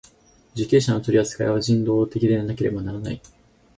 受刑者の取扱いは人道的でなければならない。